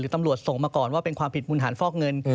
ตำรวจส่งมาก่อนว่าเป็นความผิดมูลฐานฟอกเงิน